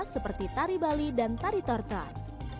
seperti tari bali dan tari tortor